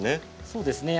そうですね。